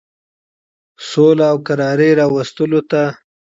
سولي او کراري راوستلو ته.